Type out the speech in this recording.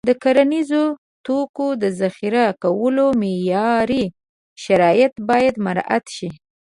د کرنیزو توکو د ذخیره کولو معیاري شرایط باید مراعت شي.